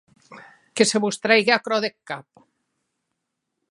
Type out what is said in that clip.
Que se vos trèigue aquerò deth cap.